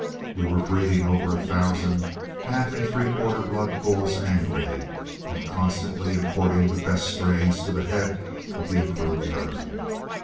We were breeding over a thousand half and three quarters blood bulls annually, and constantly importing the best strains to the head of the improved herd.